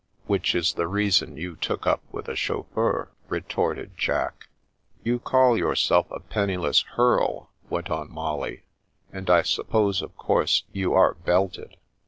" Which is the reason you took up with a chauf feur," retorted Jack. " You call yourself a ' penniless hearl,' " went on Molly, " and I suppose, of course, you are ' belted.'